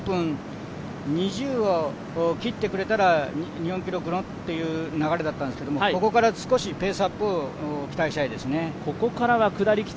１４分２０を切ってくれたら日本記録のという流れだったんですけど、ここから少しペースアップを期待したいですね。